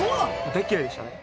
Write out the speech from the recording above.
大嫌いでしたね。